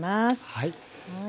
はい。